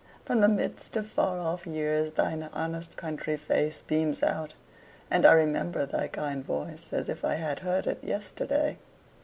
from the midst of far off years thine honest country face beams out; and I remember thy kind voice as if I had heard it yesterday.